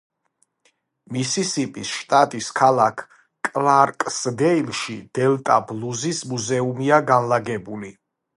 მისისიპის შტატის ქალაქ კლარკსდეილში დელტა ბლუზის მუზეუმია განლაგებული.